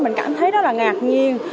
mình cảm thấy rất là ngạc nhiên